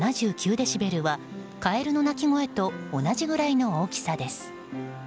デシベルはカエルの鳴き声と同じくらいの大きさです。